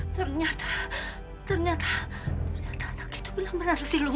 ternyata ternyata ternyata anak itu bilang benar si luman